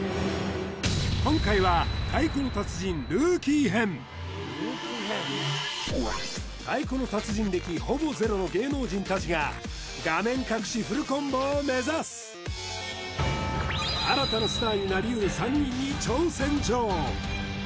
今回は太鼓の達人歴ほぼゼロの芸能人たちが画面隠しフルコンボを目指す新たなスターになりうる３人に挑戦状！